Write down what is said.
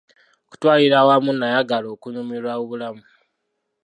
Okutwalira awamu nayagala okunyumirwa obulamu.